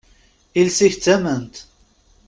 Iles-ik, d tament!